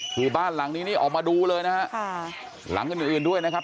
คือบ้านหลังนี้นี่ออกมาดูเลยนะฮะค่ะหลังอื่นอื่นด้วยนะครับ